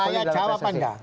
poli dalam pssc saya jawabannya